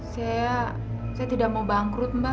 saya saya tidak mau bangkrut mbah